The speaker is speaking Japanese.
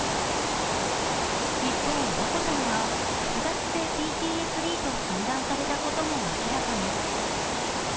一方、眞子さまが複雑性ＰＴＳＤと診断されたことも明らかに。